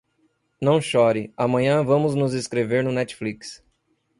Não chore, amanhã vamos nos inscrever no Netflix.